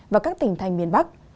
và các tỉnh thành miền bắc